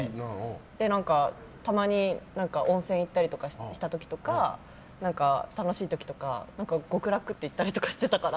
何か、たまに温泉行ったりした時とか楽しい時とか極楽って言ったりとかしてたから。